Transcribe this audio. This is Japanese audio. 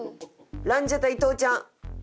ランジャタイ伊藤ちゃん。